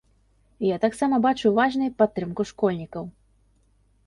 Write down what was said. Я таксама бачу важнай падтрымку школьнікаў.